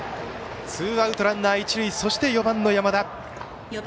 ツーアウトランナー、一塁そして、４番の山田。